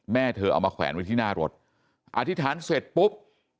แม่เธอเอามาแขวนไว้ที่หน้ารถอธิษฐานเสร็จปุ๊บ